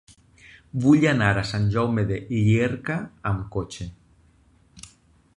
Vull anar a Sant Jaume de Llierca amb cotxe.